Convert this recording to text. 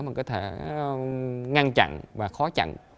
mình có thể ngăn chặn và khó chặn